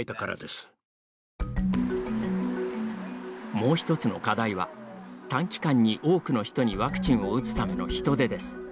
もう一つの課題は短期間に多くの人にワクチンを打つための人手です。